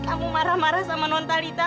kamu marah marah sama nontalita